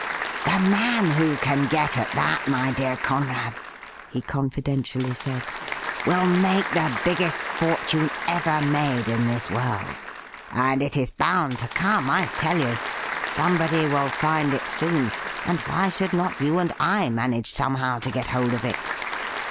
' The man who can get at that, my dear Conrad,' he confidentially said, 'will make the biggest fortune ever made in this world. And it is bound to come, I tell you. Somebody will find it soon, and why should not you and I manage somehow to get hold of it